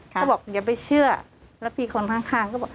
เขาบอกอย่าไปเชื่อแล้วมีคนข้างก็บอก